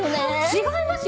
違いますよ！